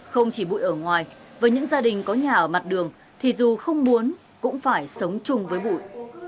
không chỉ bụi ở ngoài với những gia đình có nhà ở mặt đường thì dù không muốn cũng phải sống chung với bụi